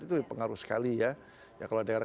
itu pengaruh sekali ya kalau daerah